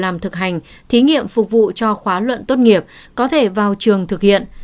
các lớp thực hành thí nghiệm phục vụ cho khóa luận tốt nghiệp có thể vào trường thực hiện